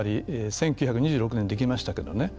１９２６年にできましたけどね。